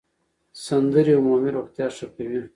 سندرې عمومي روغتیا ښه کوي.